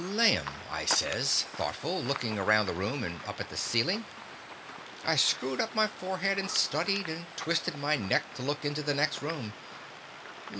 "Laim!" I says, thoughtful, lookin' around the room and up at the ceilin'. I screwed up my forehead and studied, and twisted my neck to look into the next room.